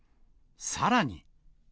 さらに。